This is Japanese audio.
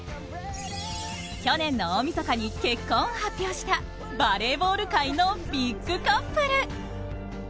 去年の大みそかに結婚を発表したバレーボール界のビッグカップル。